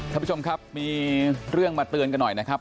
ท่านผู้ชมครับมีเรื่องมาเตือนกันหน่อยนะครับ